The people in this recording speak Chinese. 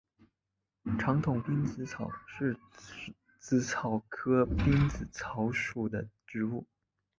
长筒滨紫草是紫草科滨紫草属的植物。